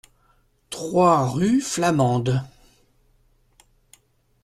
trois rue Flamande